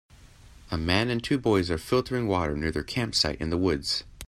A man and two boys are filtering water near their campsite in the woods.